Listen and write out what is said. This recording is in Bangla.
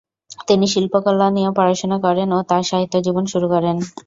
তিনি শিল্পকলা নিয়ে পড়াশোনা করেন ও তাঁর সাহিত্য জীবন শুরু করেন।